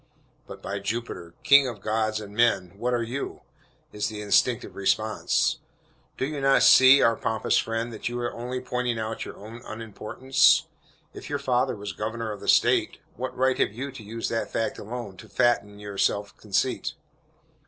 But, by Jupiter! king of gods and men, what are you? is the instinctive response. Do you not see, our pompous friend, that you are only pointing your own unimportance? If your father was Governor of the State, what right have you to use that fact only to fatten your self conceit?